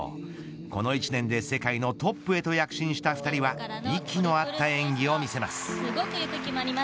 この一年で世界のトップへと躍進した２人は息の合った演技を見せます。